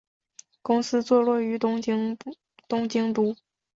公司坐落于东京都。